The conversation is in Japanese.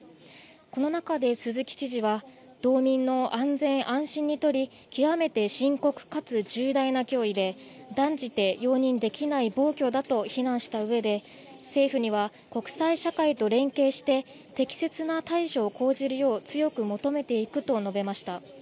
この中で鈴木知事は道民の安全、安心にとり極めて深刻かつ重大な脅威で断じて容認できない暴挙だと非難したうえで、政府には国際社会と連携して適切な対処を講じるよう強く求めていくと述べました。